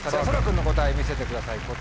そら君の答え見せてください。